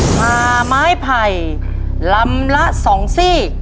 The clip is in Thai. ผ่าไม้ไผ่ลำละ๒ซี่